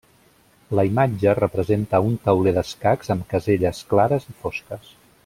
La imatge representa un tauler d'escacs amb caselles clares i fosques.